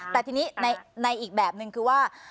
แต่ทีนี้ในอีกแบบนึงคือว่า